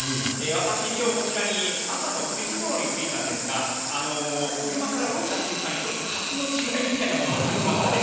私、きょう、こちらに朝の９時ごろに着いたんですが、もう、車から降りた瞬間に、ちょっと格の違いみたいなものを感じましたね。